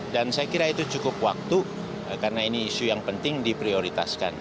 dan saya kira itu cukup waktu karena ini isu yang penting diprioritaskan